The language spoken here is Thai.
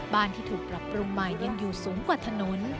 ที่ถูกปรับปรุงใหม่ยังอยู่สูงกว่าถนน